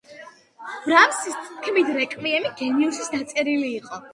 ბრამსის თქმით რეკვიემი გენიოსის დაწერილი იყო.